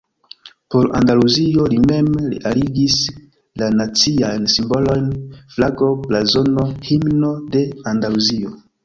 Por Andaluzio li mem realigis la naciajn simbolojn: flago, blazono, himno de Andaluzio.